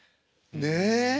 ねえ。